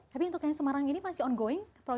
tapi untuk kota sumarang ini masih on going